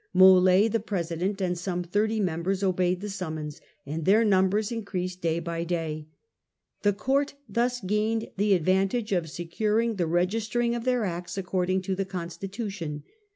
pontoise. Mold, the president, and some thirty members obeyed the summons, and their numbers in creased day by day. The court thus gained the advantage of securing the registering of their acts according to the constii ution.